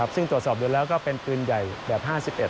ซึ่งตรวจสอบดูแล้วก็เป็นปืนใหญ่แบบ๕๑